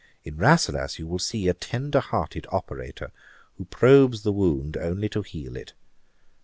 In Rasselas you will see a tender hearted operator, who probes the wound only to heal it.